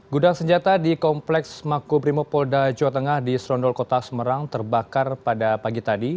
gudang senjata di kompleks makubrimopolda jawa tengah di serondol kota semarang terbakar pada pagi tadi